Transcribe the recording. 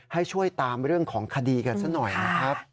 ให้ช่วยตามเรื่องของคดีกันซะหน่อยนะครับ